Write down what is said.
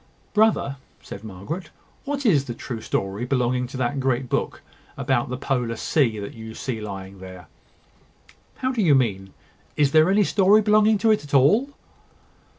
"Brother!" said Margaret; "what is the true story belonging to that great book about the Polar Sea, that you see lying there?" "How do you mean? Is there any story belonging to it at all?"